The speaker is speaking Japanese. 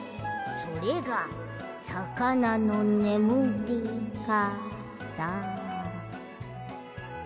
それがさかなのねむりかた。